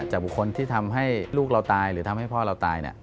บุคคลที่ทำให้ลูกเราตายหรือทำให้พ่อเราตาย